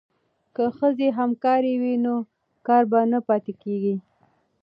که ښځې همکارې وي نو کار به نه پاتې کیږي.